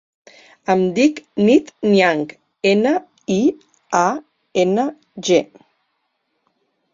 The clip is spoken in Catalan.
Em dic Nit Niang: ena, i, a, ena, ge.